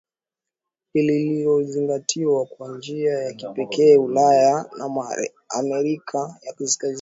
lililozingatiwa kwa njia ya kipekee Ulaya na Amerika ya Kaskazini